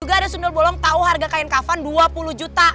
juga ada sundul bolong tahu harga kain kafan dua puluh juta